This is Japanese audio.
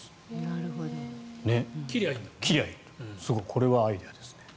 これはアイデアですね。